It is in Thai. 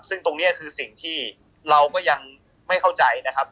ซึ่งตรงนี้คือสิ่งที่เราก็ยังไม่เข้าใจนะครับ